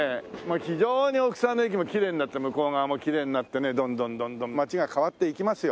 非常に奥沢の駅もきれいになって向こう側もきれいになってねどんどんどんどん街が変わっていきますよ。